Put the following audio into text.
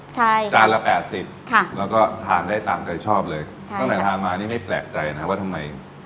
ใช่จานละแปดสิบค่ะแล้วก็ทานได้ตามใจชอบเลยใช่ตั้งแต่ทานมานี่ไม่แปลกใจนะว่าทำไม